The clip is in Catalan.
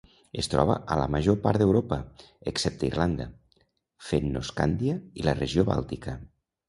Es troba a la major part d'Europa, excepte Irlanda, Fennoscàndia i la regió bàltica.